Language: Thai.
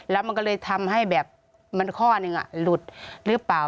แล้วมันก็เลยทำให้แบบมันข้อหนึ่งหลุดหรือเปล่า